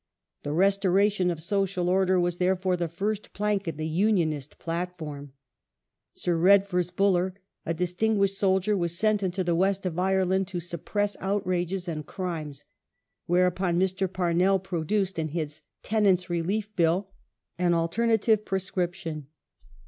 The restoration of social order was, therefore, the first plank in the Unionist platform. Sir Redvers Buller, a distinguished soldier, was sent into the West of Ireland to suppress outrages and crimes, whereupon Mr. Pamell produced, in his Tenants' Relief Bill, an alternative prescription.